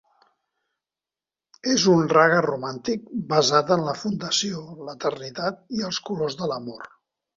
És un raga romàntic basat en la fundació, l'eternitat i els colors de l'amor.